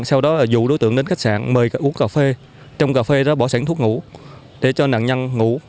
sau đó là dụ đối tượng đến khách sạn mời uống cà phê trong cà phê đó bỏ sẵn thuốc ngủ để cho nạn nhân ngủ